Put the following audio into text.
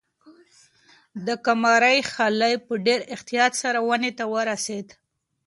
د قمرۍ خلی په ډېر احتیاط سره ونې ته ورسېد.